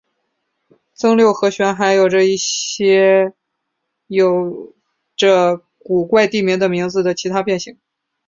增六和弦还有一些有着古怪地名的名字的其他变形。